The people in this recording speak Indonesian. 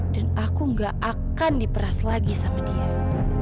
dan aku nggak akan diperas lagi sama dia